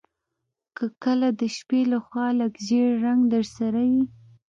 که کله د شپې لخوا لږ ژیړ رنګ درسره وي